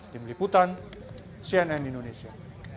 tim liputan cnn indonesia